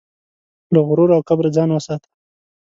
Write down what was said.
له غرور او کبره ځان وساته.